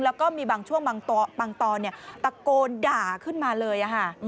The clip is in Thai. แล้วก็มีบางช่วงบางตอนตะโกนด่าขึ้นมาเลย